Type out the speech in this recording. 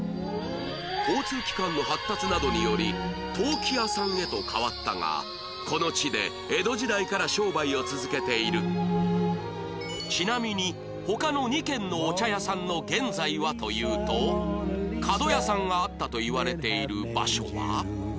交通機関の発達などにより陶器屋さんへと変わったがこの地でちなみに他の２軒のお茶屋さんの現在はというと角屋さんがあったといわれている場所は